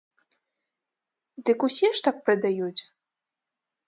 Дык усе ж так прадаюць.